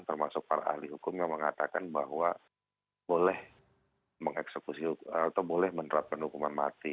termasuk para ahli hukum yang mengatakan bahwa boleh menerapkan hukuman mati